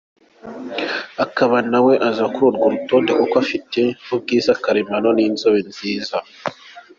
Akaba nawe aza kuri uru rutonde kuko afite ubwiza karemano n’inzobe nziza.